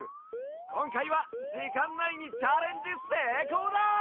こんかいはじかんないにチャレンジせいこうだ！